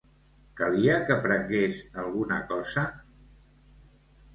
Calia que prengués alguna cosa?